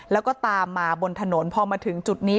แล้วก็ตามมาบนถนนพอมาถึงจุดนี้